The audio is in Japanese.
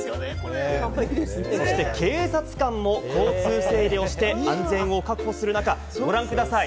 そして警察官も交通整理をして、安全を確保する中、ご覧ください！